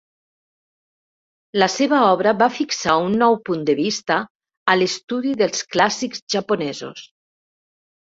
La seva obra va fixar un nou punt de vista a l'estudi dels clàssics japonesos.